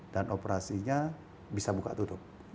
dan operasinya bisa buka tutup